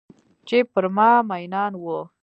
چې پر ما میینان وه